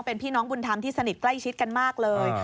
เป็นพี่น้องบุญธรรมที่สนิทใกล้ชิดกันมากเลย